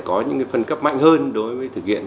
có những phân cấp mạnh hơn đối với thực hiện